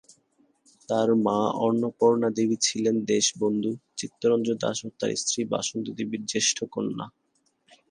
তাঁর মা অপর্ণা দেবী ছিলেন দেশবন্ধু চিত্তরঞ্জন দাশ ও তাঁর স্ত্রী বাসন্তী দেবীর জ্যেষ্ঠা কন্যা।